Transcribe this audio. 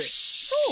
そう？